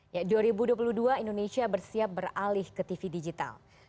ya dua ribu dua puluh dua indonesia bersiap beralih ke tv digital